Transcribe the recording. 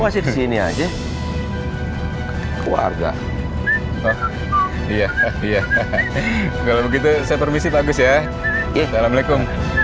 wajib sini aja keluarga oh iya iya kalau begitu saya permisi bagus ya assalamualaikum